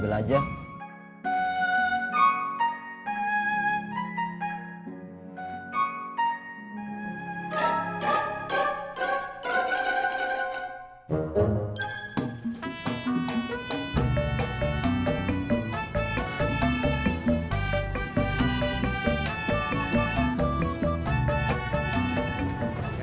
kita bunga putih tanta